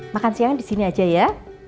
makan siangnya disini aja ya